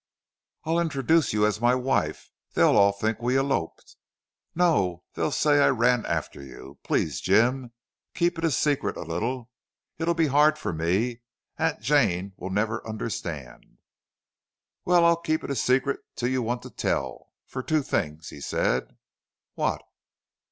"I'll introduce you as my wife! They'll all think we eloped." "No. They'll say I ran after you!... Please, Jim! Keep it secret a little. It'll be hard for me. Aunt Jane will never understand." "Well, I'll keep it secret till you want to tell for two things," he said. "What?"